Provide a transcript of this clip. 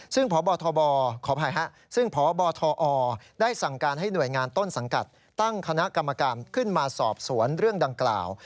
ซึ่งพบทบขออภัยฮะซึ่งพบทอได้สั่งการให้หน่วยงานต้นสังกัดตั้งคณะกรรมการขึ้นมาสอบสวนเรื่องดังกล่าว